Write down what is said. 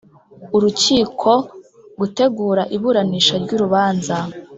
Urukiko gutegura iburanisha ry urubanza